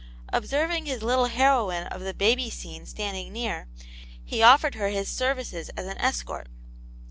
Ob serving his little heroine of the baby scene standing near, he offered her his services as an escort.